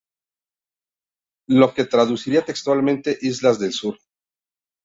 Lo que traduciría textualmente "Islas del sur".